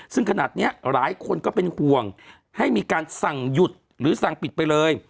ซึ่งขนาดนี้หลายคนก็เป็นห่วงให้มีการสั่งหยุดหรือสั่งปิดไปเลย